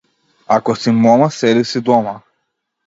Ако си мома, седи си дома.